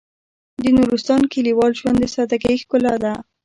د نورستان کلیوال ژوند د سادهګۍ ښکلا ده.